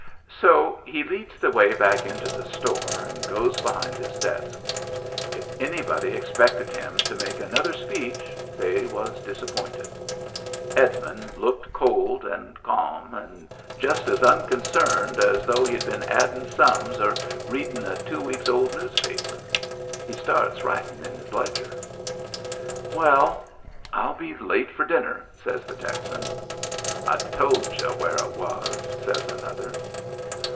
So he leads the way back into the store and goes behind his desk. If anybody e3q)ected him to make another speech they was disappointed. Edmund looked cold and ca*m, and just as unconcerned as though Digitized by Google WHERE IT WAS 271 he'd been addin' sums or readin' a two weeks old newspaper. He starts writin' at his ledger. " Well, 111 be late for dinner/' says the Texan. " I told y'u where it was," says another.